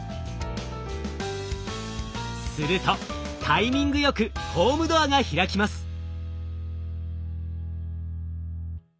するとタイミングよくホームドアが開きます。